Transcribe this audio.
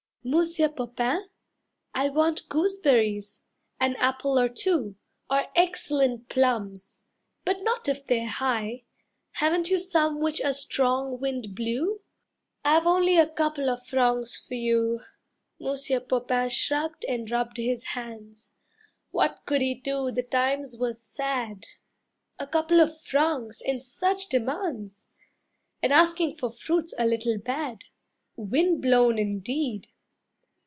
"Monsieur Popain, I Want gooseberries, an apple or two, Or excellent plums, but not if they're high; Haven't you some which a strong wind blew? I've only a couple of francs for you." Monsieur Popain shrugged and rubbed his hands. What could he do, the times were sad. A couple of francs and such demands! And asking for fruits a little bad. Wind blown indeed!